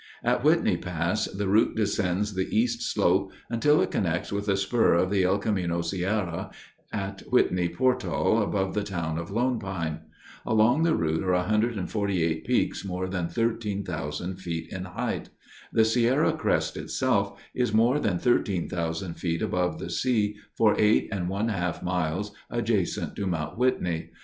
At Whitney Pass the route descends the east slope until it connects with a spur of the El Camino Sierra at Whitney Portal above the town of Lone Pine. Along the route are 148 peaks more than 13,000 feet in height. The Sierra crest, itself, is more than 13,000 feet above the sea for eight and one half miles adjacent to Mount Whitney.